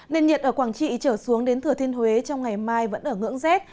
nền nhiệt ở quảng trị trở xuống đến thừa thiên huế trong ngày mai vẫn ở ngưỡng rét